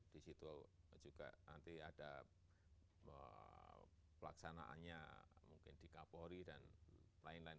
di situ juga nanti ada pelaksanaannya mungkin di kapolri dan lain lain